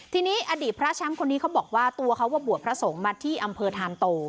ทีนี้อดีตพระแชมป์คนนี้เขาบอกว่าตัวเขาว่าบวชพระสงฆ์มาที่อำเภอธานโต